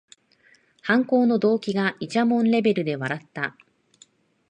犯行の動機がいちゃもんレベルで笑った